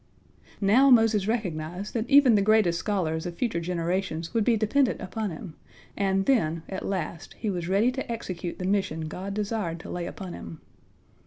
Now Moses recognized that even the greatest scholars of future generations would be dependent upon him, and then, at last, he was ready to execute the mission God desired to lay upon him.